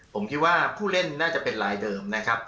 ผมคิดว่าผู้เล่นน่าจะเป็นรายเดิมนะครับ